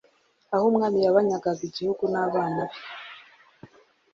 aho Umwami yagabanyaga igihugu abana be